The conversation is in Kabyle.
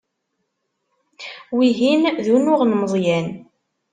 Wihin d unuɣ n Meẓyan.